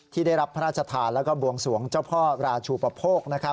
ที่ได้รับพระราชทานแล้วก็บวงสวงเจ้าพ่อราชูปโภค